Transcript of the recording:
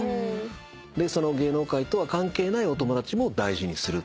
その芸能界とは関係ないお友達も大事にする。